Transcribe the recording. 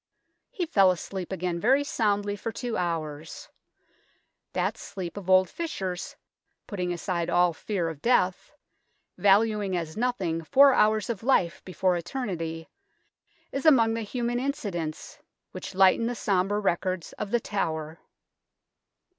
He fell asleep again very soundly for two hours. That sleep of old Fisher's, putting aside all fear of death, valuing as nothing four hours of life before eternity, is among the human incidents which lighten the sombre records of The Tower.